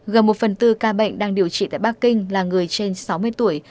gần một phần tư ca bệnh đang điều trị tại bắc kinh là người trên sáu mươi tuổi